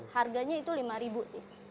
harganya itu rp lima sih